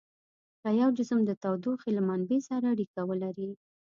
که یو جسم د تودوخې له منبع سره اړیکه ولري.